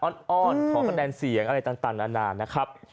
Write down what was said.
อ้อนขอคะแนนเสียงอะไรต่างนานานะครับ